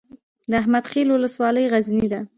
د احمد خیل ولسوالۍ غرنۍ ده